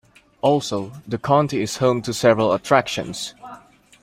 Also, the county is home to several attractions.